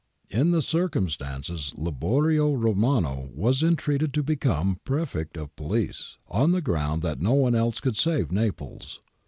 In the cir cumstances Liborio Romano was entreated to become Prefect of Police, on the ground that no one else could save Naples.